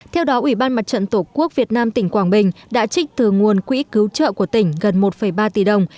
theo đó ubnd tqvn tỉnh quảng bình đã trích từ nguồn quỹ cứu trợ của tỉnh gần một ba tỷ đồng